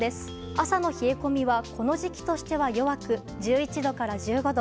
朝の冷え込みはこの時期としては弱く１１度から１５度。